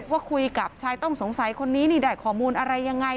ว่าคุยกับชายต้องสงสัยคนนี้นี่ได้ข้อมูลอะไรยังไง